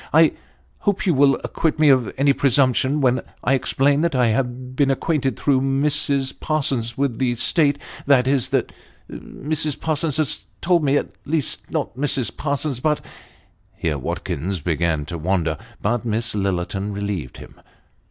I hope you will acquit me of any presumption when I explain that I have been acquainted through Mrs. Parsons, with the state that is, that Mrs. Parsons has told me at least, not Mrs. Parsons, but " Here Watkins began to wander, but Miss Lillerton relieved him.